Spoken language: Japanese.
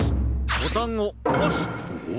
ボタンをおす。